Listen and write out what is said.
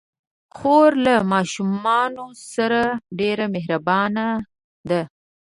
خور له ماشومانو سره ډېر مهربانه ده.